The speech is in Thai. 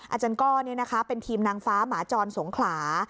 อาจารย์ก้อเป็นทีมนางฟ้าหมาจรสงขลา